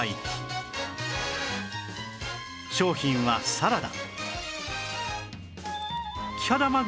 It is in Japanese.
商品はサラダ